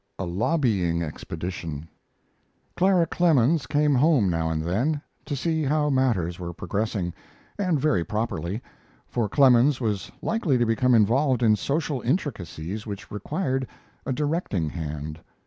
A LOBBYING EXPEDITION Clara Clemens came home now and then to see how matters were progressing, and very properly, for Clemens was likely to become involved in social intricacies which required a directing hand.